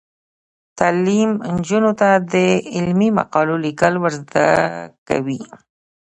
تعلیم نجونو ته د علمي مقالو لیکل ور زده کوي.